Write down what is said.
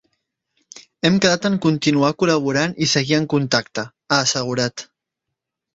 “Hem quedat en continuar col·laborant i seguir en contacte”, ha assegurat.